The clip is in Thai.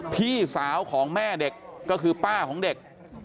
พี่สาวของแม่เด็กก็คือป้าของเด็ก